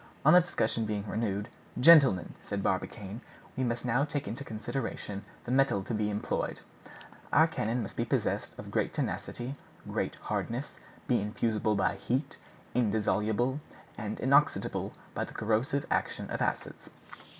On the discussion being renewed, "Gentlemen," said Barbicane, "we must now take into consideration the metal to be employed. Our cannon must be possessed of great tenacity, great hardness, be infusible by heat, indissoluble, and inoxidable by the corrosive action of acids."